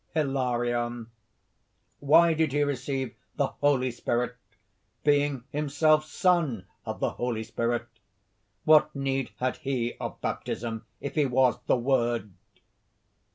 HILARION. "Why did he receive the Holy Spirit, being himself Son of the Holy Spirit? What need had he of baptism if he was the Word?